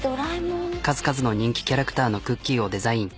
数々の人気キャラクターのクッキーをデザイン。